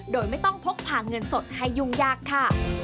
โดยไม่ต้องพกพาเงินสดให้ยุ่งยากค่ะ